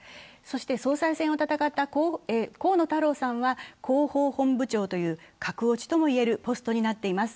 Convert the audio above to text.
総裁選を戦った河野太郎さんは広報本部長という、格落ちとも言えるポストになっています。